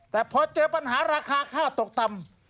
แต่พอเจอปัญหาราคาค่าตกต่ำ